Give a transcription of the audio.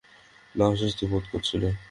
না, অস্বস্তি বোধ করছি না।